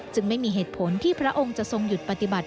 ไม่มีเหตุผลที่พระองค์จะทรงหยุดปฏิบัติ